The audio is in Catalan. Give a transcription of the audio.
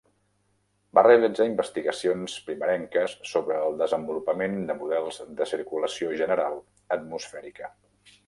Va realitzar investigacions primerenques sobre el desenvolupament de models de circulació general atmosfèrica.